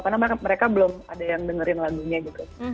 karena mereka belum ada yang dengerin lagunya gitu